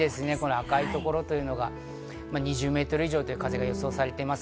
赤い所、２０メートル以上という風が予想されています。